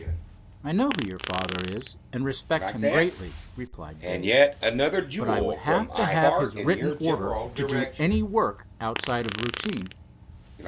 "I know who your father is, and respect him greatly," replied Dave, "but I would have to have his written order to do any work outside of routine."